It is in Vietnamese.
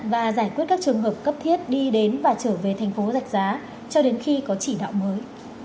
và giải quyết các trường hợp cấp thiết đi đến và trở về tp hcm cho đến khi có chỉ đạo mới